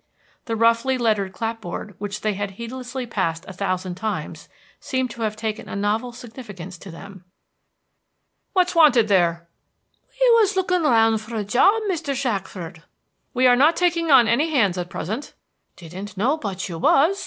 The roughly lettered clapboard, which they had heedlessly passed a thousand times, seemed to have taken a novel significance to them. Richard. What's wanted there? Giles. [Very affably.] We was lookin' round for a job, Mr. Shackford. Richard. We are not taking on any hands at present. Giles. Didn't know but you was.